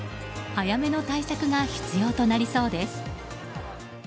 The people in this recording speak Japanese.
早めの対策が必要となりそうです。